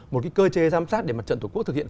một cái cơ chế giám sát để mặt trận thủ quốc thực hiện